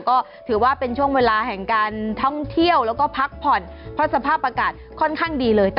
ก็ถือว่าเป็นช่วงเวลาแห่งการท่องเที่ยวแล้วก็พักผ่อนเพราะสภาพอากาศค่อนข้างดีเลย